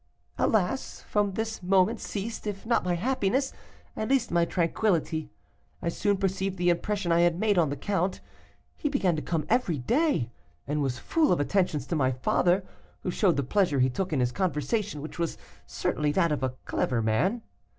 Alas! from this moment ceased, if not my happiness, at least my tranquillity. I soon perceived the impression I had made on the count; he began to come every day, and was full of attentions to my father, who showed the pleasure he took in his conversation, which was certainly that of a clever man.